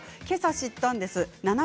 けさ知ったんです。